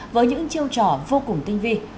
với những chiêu trò vô cùng tinh vi